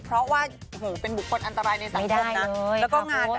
ใช่ค่ะ